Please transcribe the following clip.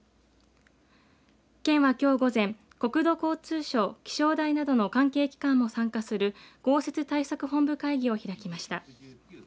県はきょう午前国土交通省、気象台などの関係機関も参加する豪雪対策本部会議を開きました。